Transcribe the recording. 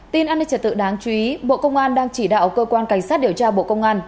tin an ninh trật tự đáng chú ý bộ công an đang chỉ đạo cơ quan cảnh sát điều tra bộ công an